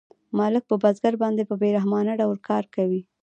مالک په بزګر باندې په بې رحمانه ډول کار کوي